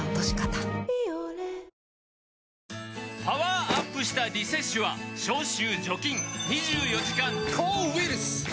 パワーアップした「リセッシュ」は消臭・除菌２４時間抗ウイルス！